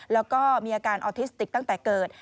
แล้วก็มีอาการออทิสติกตั้งแต่เกิด